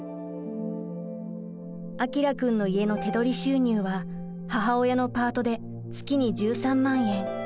彰くんの家の手取り収入は母親のパートで月に１３万円。